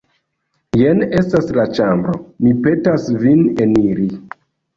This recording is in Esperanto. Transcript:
Jen estas la ĉambro; mi petas vin eniri.